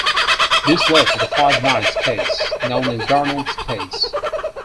This led to the Five Knights' Case, known as "Darnell's Case".